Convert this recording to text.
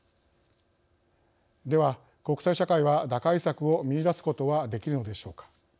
では国際社会は打開策を見いだすことはできるのでしょうか。